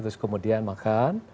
terus kemudian makan